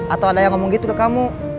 atau ada yang ngomong gitu ke kamu